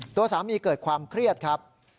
ตัวสามีเกิดความเครียดครับ